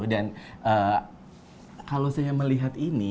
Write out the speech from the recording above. dan kalau saya melihat ini